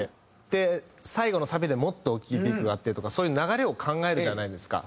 で最後のサビでもっと大きいピークがあってとかそういう流れを考えるじゃないですか。